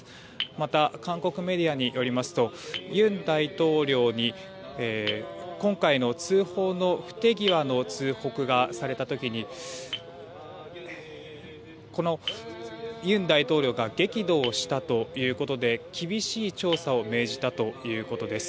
また、韓国メディアによりますと尹大統領に、今回の通報の不手際の通告がされた時に尹大統領が激怒したということで厳しい調査を命じたということです。